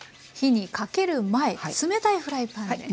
火にかける前冷たいフライパンで。